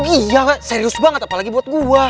iya serius banget apalagi buat gue